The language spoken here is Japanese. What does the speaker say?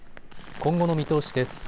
今後の見通しです。